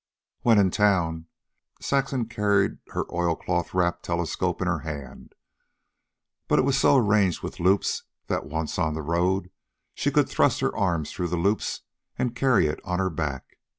When in town, Saxon carried her oilcloth wrapped telescope in her hand; but it was so arranged with loops, that, once on the road, she could thrust her arms through the loops and carry it on her back.